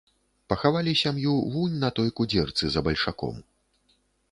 Пахавалі сям'ю вунь на той кудзерцы за бальшаком.